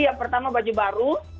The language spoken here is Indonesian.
yang pertama baju baru